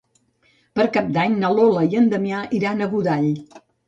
Per Cap d'Any na Lola i en Damià iran a Godall.